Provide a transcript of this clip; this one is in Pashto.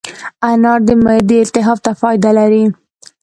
انار د معدې التهاب ته فایده لري.